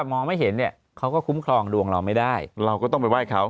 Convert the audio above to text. มองไม่เห็นเนี่ยเขาก็คุ้มครองดวงเราไม่ได้เราก็ต้องไปไหว้เขา